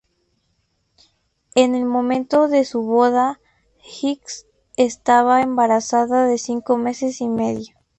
En el momento de su boda, Hicks estaba embarazada de cinco meses y medio.